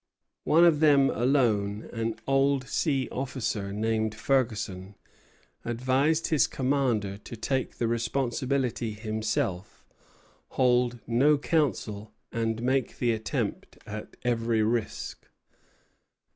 One of them alone, an old sea officer named Ferguson, advised his commander to take the responsibility himself, hold no council, and make the attempt at every risk.